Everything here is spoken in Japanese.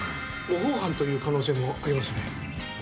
模倣犯という可能性もありますね。